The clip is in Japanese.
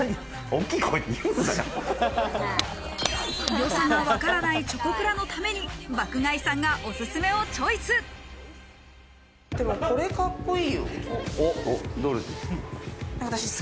良さがわからないチョコプラのために爆買いさんがオススメをチョイス。